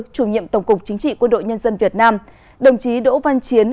chủ nhiệm tổng cục chính trị quân đội nhân dân việt nam đồng chí đỗ văn chiến